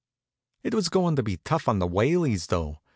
It was goin' to be tough on the Whaleys, though.